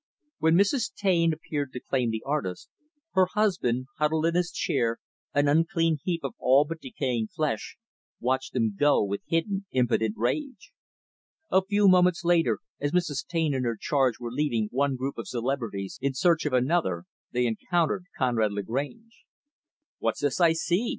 When Mrs. Taine appeared to claim the artist, her husband huddled in his chair, an unclean heap of all but decaying flesh watched them go, with hidden, impotent rage. A few moments later, as Mrs. Taine and her charge were leaving one group of celebrities in search of another they encountered Conrad Lagrange. "What's this I see?"